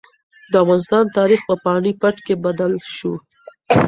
د افغانستان تاریخ په پاني پت کې بدل شو.